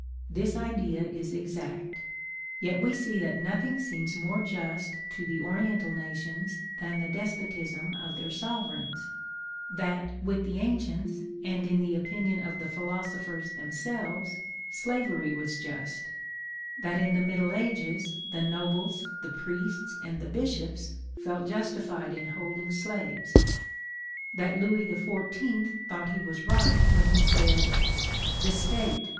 This idea is exact. Yet we see that nothing seems more just to the Oriental nations than the despotism of their sovereigns; that, with the ancients and in the opinion of the philosophers themselves, slavery was just; that in the middle ages the nobles, the priests, and the bishops felt justified in holding slaves; that Louis XIV. thought that he was right when he said, "The State!